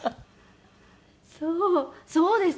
そうそうです。